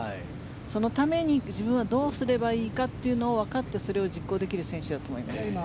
そのために自分はどうすればいいかというのをわかって、それを実行できる選手だと思います。